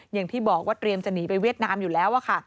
อย่างที่บอกว่าเตรียมจะหนีไปเวียดนามอยู่แล้วค่ะ